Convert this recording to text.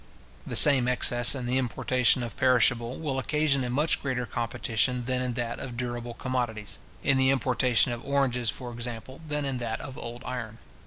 The same excess in the importation of perishable, will occasion a much greater competition than in that of durable commodities; in the importation of oranges, for example, than in that of old iron.